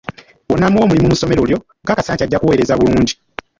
Bw'onamuwa omulimu mu ssomero lyo, nkakasa nti ajja kuweereza bulungi.